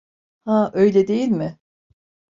Ha, öyle değil mi?